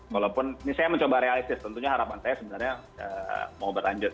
walaupun ini saya mencoba realistis tentunya harapan saya sebenarnya mau berlanjut